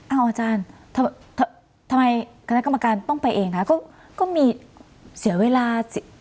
เอาอาจารย์ทำไมคณะกรรมการต้องไปเองคะก็มีเสียเวลา